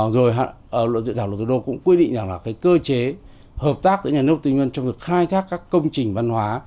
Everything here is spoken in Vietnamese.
rồi dự thảo luật thủ đô cũng quyết định rằng là cơ chế hợp tác với nhà nước tư nhân trong việc khai thác các công trình văn hóa